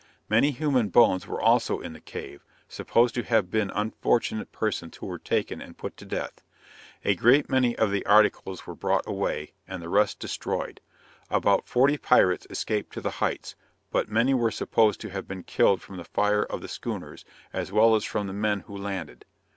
Many human bones were also in the cave, supposed to have been unfortunate persons who were taken and put to death. A great many of the articles were brought away, and the rest destroyed. About forty pirates escaped to the heights, but many were supposed to have been killed from the fire of the schooners, as well as from the men who landed.